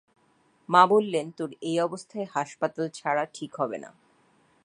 মা বললেন, তোর এই অবস্থায় হাসপাতাল ছাড়া ঠিক হবে না।